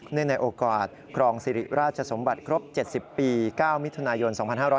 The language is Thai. ในโอกาสครองสิริราชสมบัติครบ๗๐ปี๙มิถุนายน๒๕๕๙